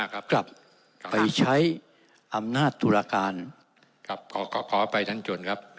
กับไปใช้อำนาจตุลาการ